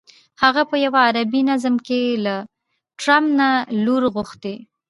هغه په یوه عربي نظم کې له ټرمپ نه لور غوښتې.